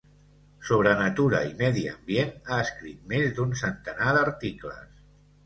Sobre natura i medi ambient ha escrit més d'un centenar d'articles.